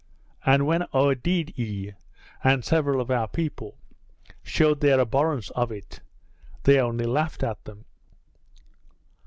And when Oedidee, and several of our people, shewed their abhorrence of it, they only laughed at them.